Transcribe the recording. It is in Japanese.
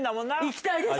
行きたいです。